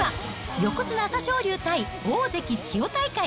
横綱・朝青龍対大関・千代大海。